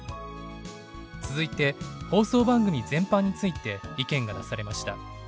続いて放送番組全般について意見が出されました。